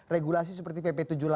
regulasi seperti pp tujuh puluh delapan